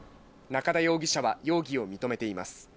中田容疑者は容疑を認めています。